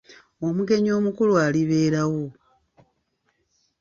Omugenyi omukulu alibeerawo.